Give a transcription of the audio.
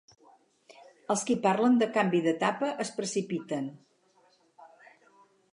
Els qui parlen de canvi d’etapa es precipiten.